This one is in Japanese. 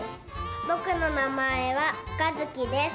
ぼくの名前はかずきです。